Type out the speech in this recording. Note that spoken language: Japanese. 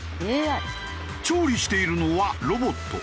調理しているのはロボット。